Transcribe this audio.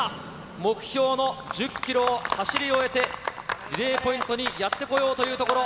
目標の１０キロを走り終えて、リレーポイントにやって来ようというところ。